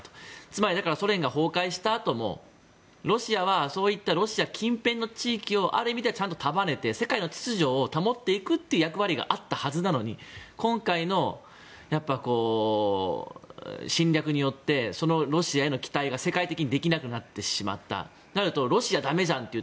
つまり、ソ連が崩壊したあともロシアはそういったロシア近辺の地域をある意味では束ねて世界の秩序を保っていく役割があったはずなのに今回の侵略によってそのロシアへの期待が世界的にできなくなってしまったとなるとロシアだめじゃんと。